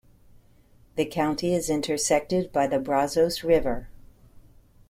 The county is intersected by the Brazos River.